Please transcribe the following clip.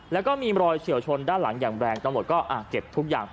แล้วก็มีรอยเฉียวชนด้านหลังอย่างแบรงตั้งแต่งก็อ่ะเจ็บทุกอย่างเป็น